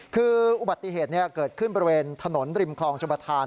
คืออุบัติเหตุเกิดขึ้นบริเวณถนนริมคลองชมประธาน